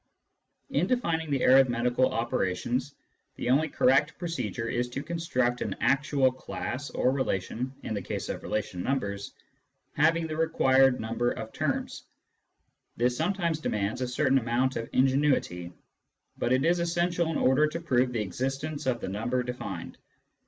In defining the arithmetical operations, the only correct pro cedure is to construct an actual class (or relation, in the case of relation numbers) having the required number of terms. This sometimes demands a certain amount of ingenuity, but it is essential in order to prove the existence of the number defined.